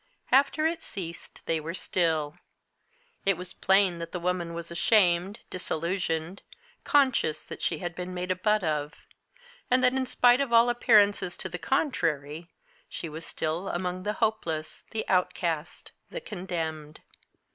After it ceased they were still. It was plain that the woman was ashamed, disillusioned, conscious that she had been made a butt of; and that, in spite of all appearances to the contrary, she was still among the hopeless, the outcast, the condemned.